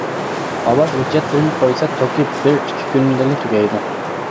ئاۋاز ھۆججەتلىرىنى قويسا توكى بىر ئىككى كۈندىلا تۈگەيدۇ.